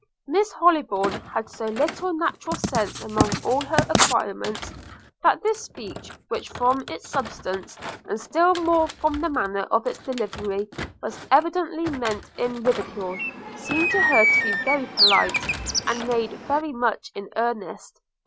Miss Hollybourn had so little natural sense among all her acquirements, that this speech, which from its substance, and still more from the manner of its delivery, was evidently meant in ridicule, seemed to her to be very polite, and made very much in earnest.